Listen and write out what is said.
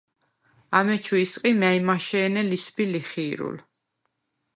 ამეჩუ ისყი მა̄̈ჲმაშე̄ნე ლისვბი-ლიხი̄რულ.